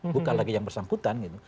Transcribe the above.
bukan lagi yang bersangkutan gitu